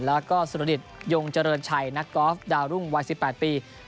แล้วก็สุรดิตยงเจริญชัยนักกอล์ฟดาวรุ่งวัย๑๘ปี